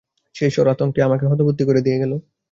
সে স্বর আতঙ্কে আমাকে হতবুদ্ধি করে দিয়ে গেল।